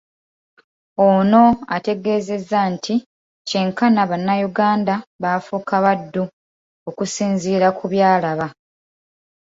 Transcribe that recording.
Ono ategeezezza nti kyenkana bannayuganda baafuuka baddu okusinzira kubyalaba.